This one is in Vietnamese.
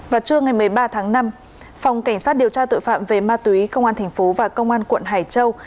vào trưa ngày một mươi ba tháng năm phòng cảnh sát điều tra tội phạm về ma túy công an tp và công an quận hải châu